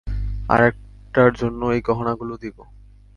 আরেকটার জন্য এই গহনা গুলো দিব।